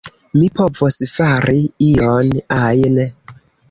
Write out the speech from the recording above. Mi povos fari ion ajn.